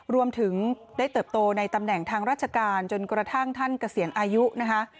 รวมถึงได้เติบโตในตำแหน่งทางราชการจนกระทั่งท่านเกษียณอายุนะคะ